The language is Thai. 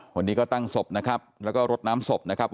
ให้อายุ๒๕ครบ